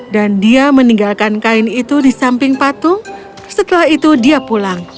dan dia meninggalkan kain itu di samping patung setelah itu dia pulang